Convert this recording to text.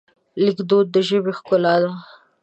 لیکدود د ژبې ښکلا ده.